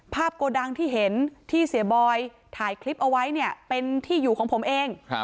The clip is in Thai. โกดังที่เห็นที่เสียบอยถ่ายคลิปเอาไว้เนี่ยเป็นที่อยู่ของผมเอง